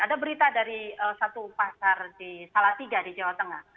ada berita dari satu pasar di salah tiga di jawa tengah